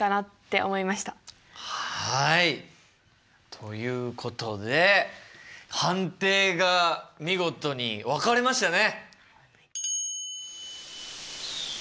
ということで判定が見事に分かれましたね。